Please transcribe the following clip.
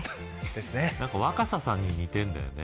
なんか若狭さんに似てるんだよね。